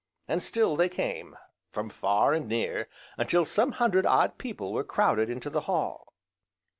And still they came, from far and near, until some hundred odd people were crowded into the hall.